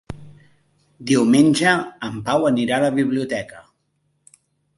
Diumenge en Pau anirà a la biblioteca.